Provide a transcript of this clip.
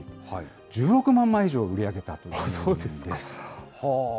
１６万枚以上売り上げたということです。